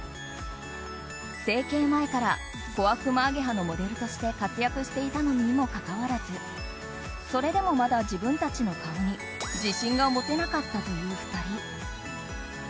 整形前から「小悪魔ａｇｅｈａ」のモデルとして活躍していたのにもかかわらずそれでもまだ自分たちの顔に自信が持てなかったという２人。